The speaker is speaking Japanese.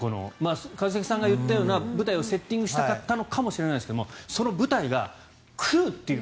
一茂さんが言ったような舞台をセッティングしたかったのかもしれませんがその舞台が来るっていう。